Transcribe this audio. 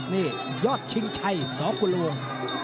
นี่ยอดชิงชัยสกุลวง